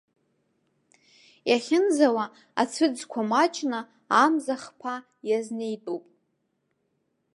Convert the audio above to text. Иахьынӡауа ацәыӡқәа маҷны амза хԥа иазнеитәуп.